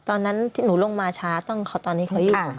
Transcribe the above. ตอนนั้นหนูลงมาช้าตอนนี้เขาอยู่ข้าง